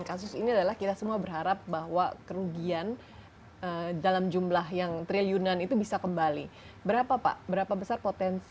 bagus dan mudah mudahan pak presiden